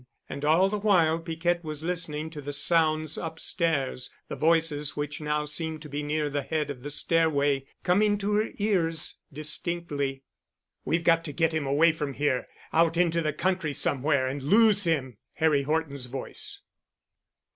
And all the while Piquette was listening to the sounds upstairs, the voices which now seemed to be near the head of the stairway, coming to her ears distinctly. "We've got to get him away from here—out into the country somewhere—and lose him." Harry Horton's voice.